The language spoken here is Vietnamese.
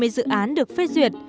hai mươi dự án được phê duyệt